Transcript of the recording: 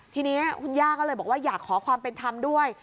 ทีนี้คุณย่าก็เลยบอกว่าอยากขอความเป็นธรรมด้วย